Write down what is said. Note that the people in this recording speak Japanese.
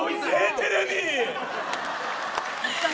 テレビ！